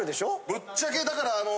ぶっちゃけだからあの。